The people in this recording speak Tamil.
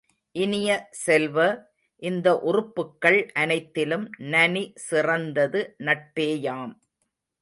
இனிய செல்வ, இந்த உறுப்புக்கள் அனைத்திலும் நனி சிறந்தது நட்பேயாம்.